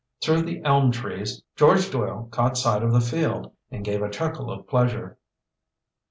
Through the elm trees George Doyle caught sight of the field, and gave a chuckle of pleasure.